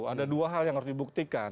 ada dua hal yang harus dibuktikan